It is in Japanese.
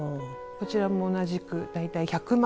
こちらも同じく大体１００枚。